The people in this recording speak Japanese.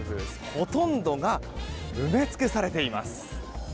ほとんどが埋め尽くされています。